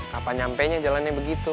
kapan nyampe jalannya begitu